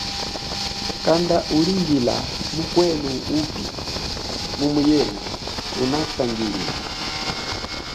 Kanda umulingila mukwenu upi mumu yena unasangilile.